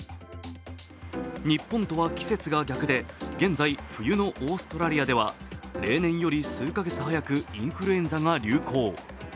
日本とは季節が逆で、現在冬のオーストラリアでは例年より数か月早くインフルエンザが流行。